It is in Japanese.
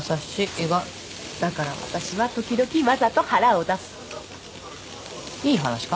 意外だから私は時々わざと腹を出すいい話か？